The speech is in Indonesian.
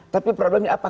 tapi problemnya apa